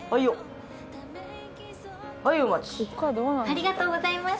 ありがとうございます。